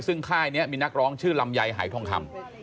ซึ่งค่ายนี้มีนักร้องชื่อลำไยหายทองคำ